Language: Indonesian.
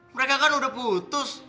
mereka kan udah putus